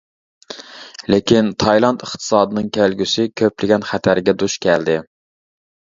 لېكىن تايلاند ئىقتىسادىنىڭ كەلگۈسى كۆپلىگەن خەتەرگە دۇچ كەلدى.